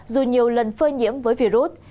dù nhiều lần phơi nhiễm với virus